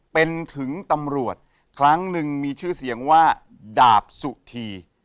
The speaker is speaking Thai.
เป็นถึงตำรวจครั้งหนึ่งมีชื่อเสียงว่าดาบสุธี